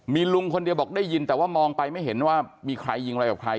มีลุงคนเดียวบอกได้ยินแต่ว่ามองไปไม่เห็นว่ามีใครยิงอะไรกับใคร